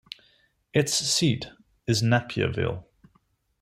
Its seat is Napierville.